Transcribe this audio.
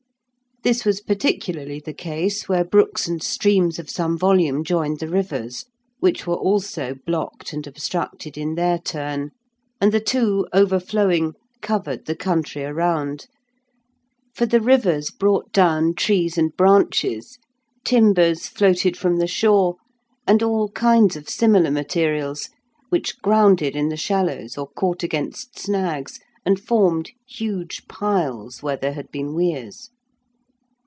This was particularly the case where brooks and streams of some volume joined the rivers, which were also blocked and obstructed in their turn, and the two, overflowing, covered the country around; for the rivers brought down trees and branches, timbers floated from the shore, and all kinds of similar materials, which grounded in the shallows or caught against snags, and formed huge piles where there had been weirs.